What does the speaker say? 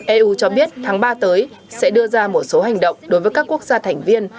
eu cho biết tháng ba tới sẽ đưa ra một số hành động đối với các quốc gia thành viên